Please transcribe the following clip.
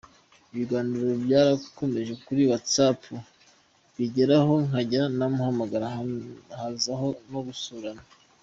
Ibiganiro byarakomeje kuri whatsapp bigeraho nkajya namuhamagara, hazaho no gusurana .